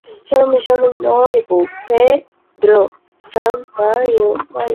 Ambas revistas creían que las letras del álbum eran poco accesibles.